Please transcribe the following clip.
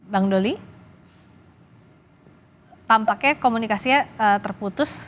bang doli tampaknya komunikasinya terputus